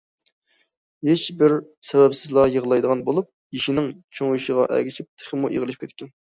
ھېچبىر سەۋەبسىزلا يىغلايدىغان بولۇپ، يېشىنىڭ چوڭىيىشىغا ئەگىشىپ تېخىمۇ ئېغىرلىشىپ كەتكەن.